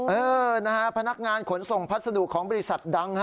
เออนะฮะพนักงานขนส่งพัสดุของบริษัทดัง